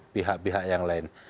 pihak pihak yang lain